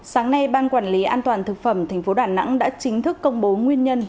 sáng nay ban quản lý an toàn thực phẩm tp đà nẵng đã chính thức công bố nguyên nhân